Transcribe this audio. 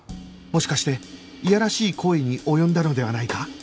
もしかしていやらしい行為に及んだのではないか？